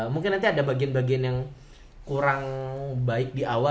mungkin nanti ada bagian bagian yang kurang baik di awal